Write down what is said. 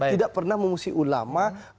tidak pernah memusuhi ulama